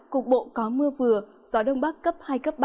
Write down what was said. cục bộ có mưa vừa gió đông bắc cấp hai cấp ba